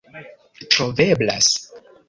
troveblas